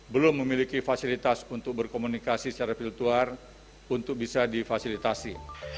belum memiliki fasilitas untuk berkomunikasi secara virtual untuk bisa difasilitasi